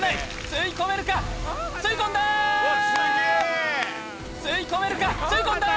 吸い込めるか吸い込んだ！